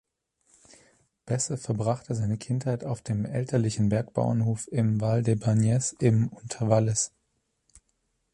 Besse verbrachte seine Kindheit auf dem elterlichen Bergbauernhof im Val de Bagnes im Unterwallis.